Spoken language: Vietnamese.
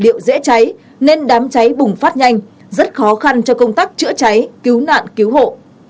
liệu dễ cháy nên đám cháy bùng phát nhanh rất khó khăn cho công tác chữa cháy cứu nạn cứu hộ